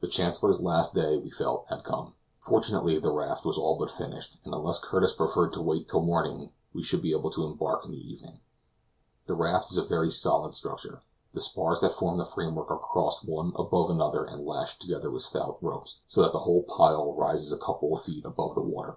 The Chancellor's last day, we felt, had come. Fortunately the raft was all but finished, and unless Curtis preferred to wait till morning, we should be able to embark in the evening. The raft is a very solid structure. The spars that form the framework are crossed one above another and lashed together with stout ropes, so that the whole pile rises a couple of feet above the water.